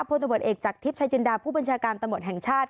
พลตำรวจเอกจากทิพย์ชายจินดาผู้บัญชาการตำรวจแห่งชาติ